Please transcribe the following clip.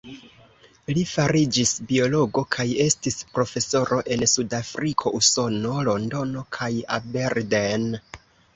Li fariĝis biologo kaj estis profesoro en Sudafriko, Usono, Londono kaj Aberdeen.